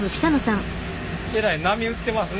えらい波打ってますね。